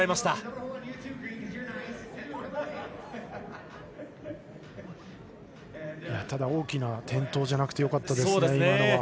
ただ大きな転倒じゃなくてよかったですね。